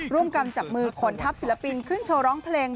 กรรมจับมือขนทัพศิลปินขึ้นโชว์ร้องเพลง